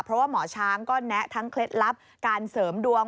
เพราะว่าหมอช้างก็แนะทั้งเคล็ดลับการเสริมดวง